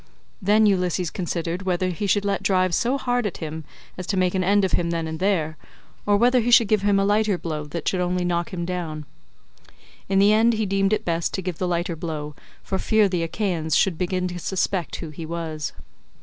Then Ulysses considered whether he should let drive so hard at him as to make an end of him then and there, or whether he should give him a lighter blow that should only knock him down; in the end he deemed it best to give the lighter blow for fear the Achaeans should begin to suspect who he was.